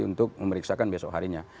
untuk memeriksakan besok harinya